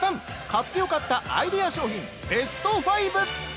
買ってよかったアイデア商品ベスト５。